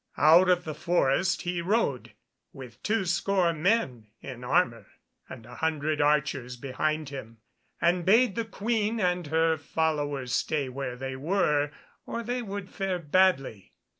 Out of the forest he rode, with two score men in armour, and a hundred archers behind him, and bade the Queen and her followers stay where they were, or they would fare badly.